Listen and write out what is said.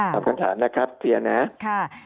คำถามเสียนะ